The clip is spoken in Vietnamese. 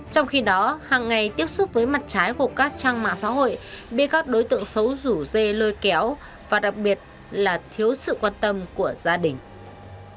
trong khi đó hàng ngày tiếp xúc với mặt trái của các trang mạng xã hội biết các đối tượng xấu rủ dê lôi kéo và đặc biệt là thiếu sự quan tâm của gia đình